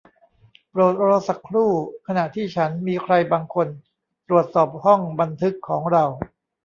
โปรดรอสักครู่ขณะที่ฉันมีใครบางคนตรวจสอบห้องบันทึกของเรา